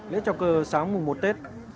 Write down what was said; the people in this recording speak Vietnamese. lễ trò cờ sáng mùng một tết